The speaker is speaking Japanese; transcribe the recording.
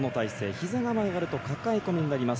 ひざが曲がると抱え込みになります。